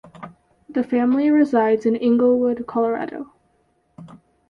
The family resides in Englewood, Colorado.